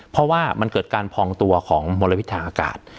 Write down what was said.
เพราะว่ามันเกิดการพองตัวของมลพิษทางอากาศ